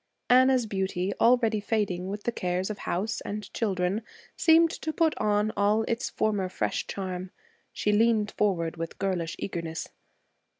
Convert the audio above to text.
Anna's beauty, already fading with the cares of house and children, seemed to put on all its former fresh charm. She leaned forward with girlish eagerness.